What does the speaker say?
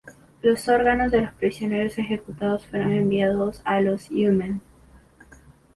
Los órganos de los prisioneros ejecutados fueron enviados a los U-Men.